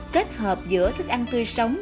kết hợp giữa thức ăn tươi sống